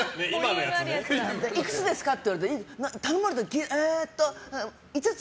いくつですかって言われてえーっと、５つ。